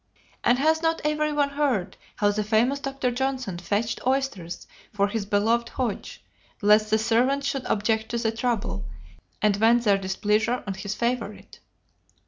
And has not every one heard how the famous Dr. Johnson fetched oysters for his beloved Hodge, lest the servants should object to the trouble, and vent their displeasure on his favorite?